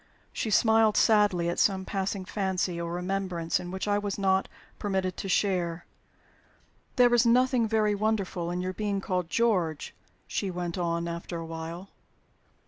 She smiled sadly at some passing fancy or remembrance in which I was not permitted to share. "There is nothing very wonderful in your being called 'George,'" she went on, after a while.